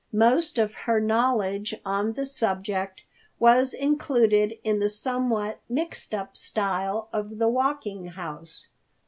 Most of her knowledge on the subject was included in the somewhat mixed up style of the Walking House.